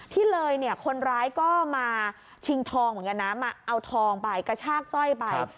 ที่เลยเนี่ยคนร้ายก็มาชิงทองเหมือนกันนะมาเอาทองไปกระชากสร้อยไป